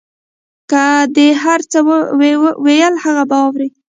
که ده هر څه ویل هغه به اورې.